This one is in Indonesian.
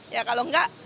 ya kalau enggak